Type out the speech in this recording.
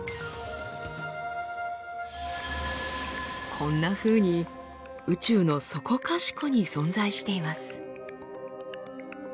こんなふうに宇宙のそこかしこに存在しています。